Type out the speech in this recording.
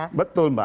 betul betul mbak